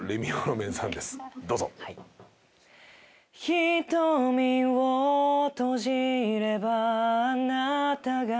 「瞳を閉じればあなたが」